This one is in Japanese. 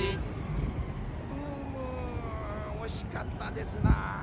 うむおしかったですな。